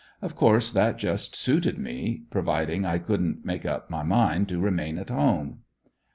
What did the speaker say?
Of course that just suited me, providing I couldn't make up my mind to remain at home.